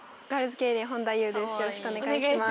よろしくお願いします。